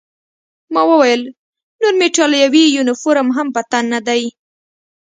ما وویل: نور مې ایټالوي یونیفورم هم په تن نه دی.